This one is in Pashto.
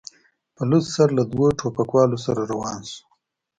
په لوڅ سر له دوو ټوپکوالو سره روان شو.